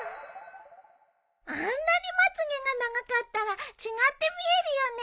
あんなにまつげが長かったら違って見えるよね。